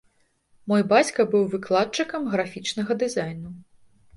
Мой бацька быў выкладчыкам графічнага дызайну.